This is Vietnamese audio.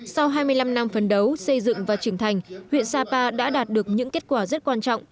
sau hai mươi năm năm phấn đấu xây dựng và trưởng thành huyện sapa đã đạt được những kết quả rất quan trọng